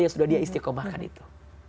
yang sudah dia istiqomahkan itu